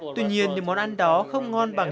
tuy nhiên những món ăn đó không ngon bằng